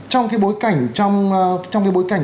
trong cái bối cảnh